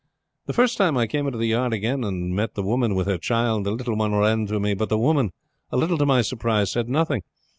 "The first time I came into the yard again and met the woman with her child, the little one ran to me; but the woman, a little to my surprise, said nothing.